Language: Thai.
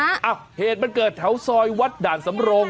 เอ้าเหตุมันเกิดแถวซอยวัดด่านสำรง